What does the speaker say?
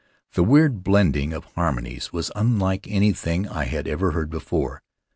The weird blending of harmonies was unlike anything I had ever heard before.